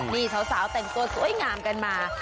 นี่สาวแต่งตัวสวยงามกันมา